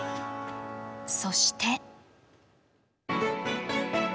そして。